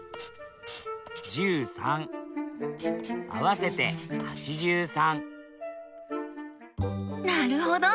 合わせて８３なるほど！